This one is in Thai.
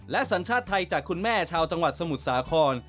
สัญชาติไทยจากคุณแม่ชาวจังหวัดสมุทรสาคร